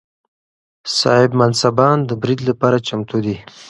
صاحب منصبان د برید لپاره چمتو دي.